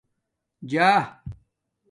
جآ